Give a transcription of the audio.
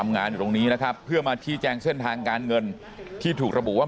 งานอยู่ตรงนี้นะครับเพื่อมาชี้แจงเส้นทางการเงินที่ถูกระบุว่า